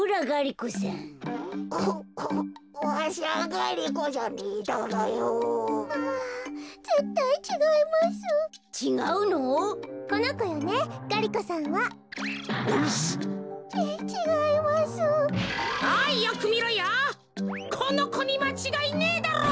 このこにまちがいねえだろう？